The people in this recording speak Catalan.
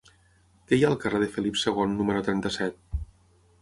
Què hi ha al carrer de Felip II número trenta-set?